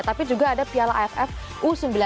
tapi juga ada piala aff u sembilan belas